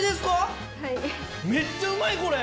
めっちゃうまいこれ。